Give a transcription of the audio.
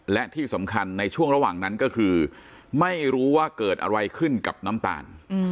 และที่สำคัญในช่วงระหว่างนั้นก็คือไม่รู้ว่าเกิดอะไรขึ้นกับน้ำตาล